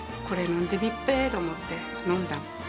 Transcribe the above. これ飲んでみっぺと思って飲んだの。